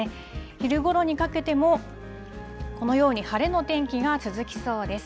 昼ごろにかけても、このように晴れの天気が続きそうです。